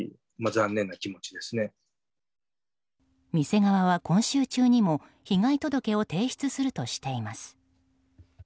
店側は今週中にも被害届を提出するとしています。